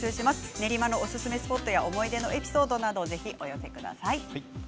練馬のおすすめスポットや思い出のエピソードもお寄せください。